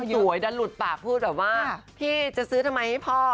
อยู่ไอ้ดันหลุดปากพูดแบบว่าพี่จะซื้อทำไมให้พ่อ